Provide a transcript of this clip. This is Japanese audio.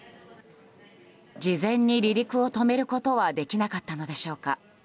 事前に離陸を止めることはできなかったのでしょうか。